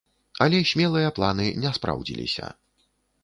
Але смелыя планы не спраўдзіліся.